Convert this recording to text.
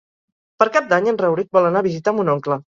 Per Cap d'Any en Rauric vol anar a visitar mon oncle.